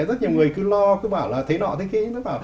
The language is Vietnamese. rất nhiều người cứ lo cứ bảo là thế nọ thế kia